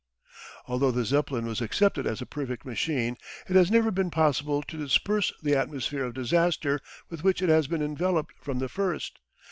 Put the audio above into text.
Although the Zeppelin was accepted as a perfect machine it has never been possible to disperse the atmosphere of disaster with which it has been enveloped from the first.